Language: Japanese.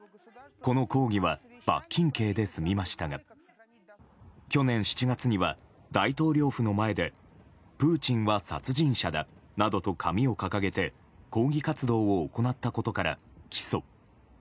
この抗議は罰金刑で済みましたが去年７月には、大統領府の前でプーチンは殺人者だなどと紙を掲げて抗議活動を行ったことから起訴。